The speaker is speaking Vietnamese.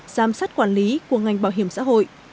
giám sát quản lý của ngành bảo hiểm xã hội